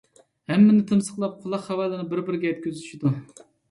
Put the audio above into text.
ھەممىنى تىمسىقلاپ قۇلاق خەۋەرلىرىنى بىر - بىرىگە يەتكۈزۈشىدۇ.